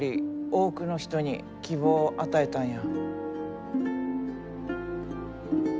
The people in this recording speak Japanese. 多くの人に希望を与えたんや。